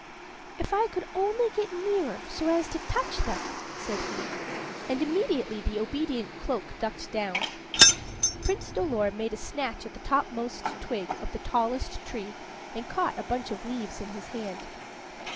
"If I could only get nearer, so as to touch them," said he, and immediately the obedient cloak ducked down; Prince Dolor made a snatch at the topmost twig of the tallest tree, and caught a bunch of leaves in his hand.